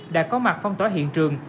đã có mặt phong tỏ hiện trường